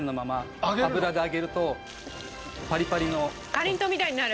かりんとうみたいになる？